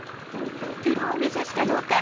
プロを目指すかどうか。